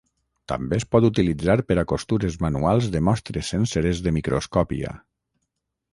També es pot utilitzar per a costures manuals de mostres senceres de microscòpia.